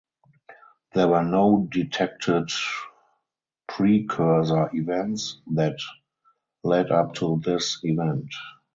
There were no detected precursor events that led up to this event.